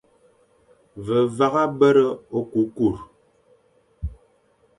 Ve vagha bere okukur,